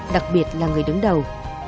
đặc biệt là người đứng đầu